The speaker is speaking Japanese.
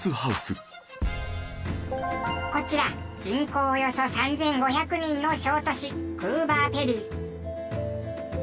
こちら人口およそ３５００人の小都市クーバーペディ。